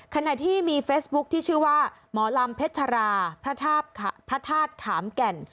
ขณะที่มีเฟซบุ๊คที่ชื่อว่าหมอลำเพชราพระธาตุขามแก่น